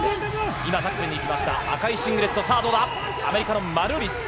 今、タックルにいきました赤いシングレット、アメリカのマルーリス。